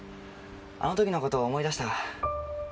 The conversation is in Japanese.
あの時の事を思い出した。